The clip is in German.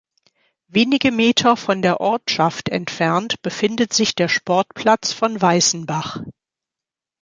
Wenige Meter von der Ortschaft entfernt befindet sich der Sportplatz von Weißenbach.